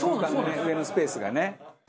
上のスペースがね。